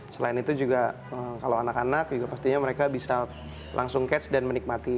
selain itu juga kalau anak anak juga pastinya mereka bisa langsung catch dan menikmati